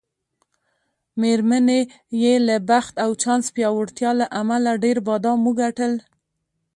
میرمنې یې له بخت او چانس پیاوړتیا له امله ډېر بادام وګټل.